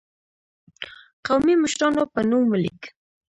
قومي مشرانو په نوم ولیک.